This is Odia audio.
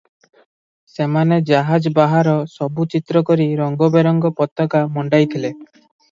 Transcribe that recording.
ସେମାନେ ଜାହାଜ ବାହାର ସବୁ ଚିତ୍ର କରି ରଙ୍ଗ ବେରଙ୍ଗ ପତାକା ମଣ୍ଡେଇଥିଲେ ।